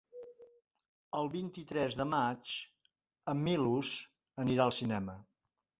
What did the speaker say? El vint-i-tres de maig en Milos anirà al cinema.